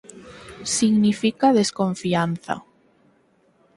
Significa «desconfianza».